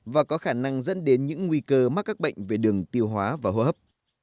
và có khả năng dẫn đến những nguy cơ mắc các bệnh về đường tiêu hóa và hô hấp